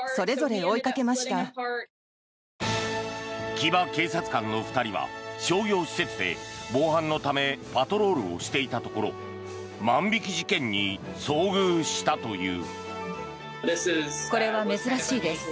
騎馬警察官の２人は商業施設で防犯のためパトロールをしていたところ万引き事件に遭遇したという。